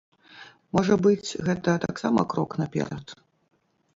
Можа быць, гэта таксама крок наперад?